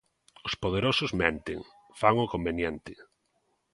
Os poderosos menten, fan o conveniente.